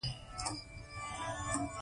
اخلاقي توپیرونه نادیده نیول کیږي؟